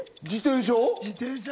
自転車。